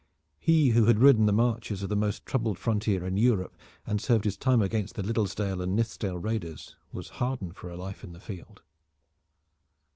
He who had ridden the marches of the most troubled frontier in Europe, and served his time against the Liddlesdale and Nithsdale raiders was hardened for a life in the field.